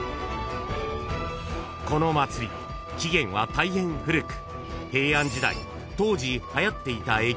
［この祭り起源は大変古く］